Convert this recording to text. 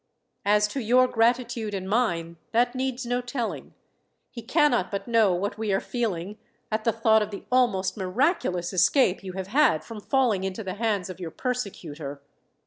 "As to your gratitude and mine, that needs no telling. He cannot but know what we are feeling, at the thought of the almost miraculous escape you have had from falling into the hands of your persecutor.